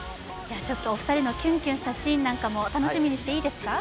お二人のキュンキュンしたシーンも楽しみにしていいですか？